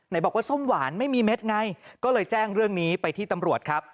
บอกว่าส้มหวานไม่มีเม็ดไงก็เลยแจ้งเรื่องนี้ไปที่ตำรวจครับ